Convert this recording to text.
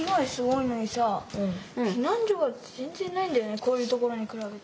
こういうところに比べて。